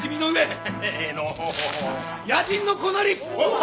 野人の子なり！